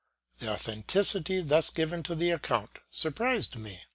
The authenticity thus given to the account surprised me.